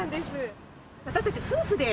私たち夫婦で。